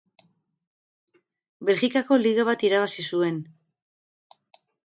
Belgikako Liga bat irabazi zuen.